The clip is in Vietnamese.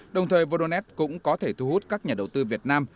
đồng thời voronet cũng có thể thu hút các nhà đầu tư việt nam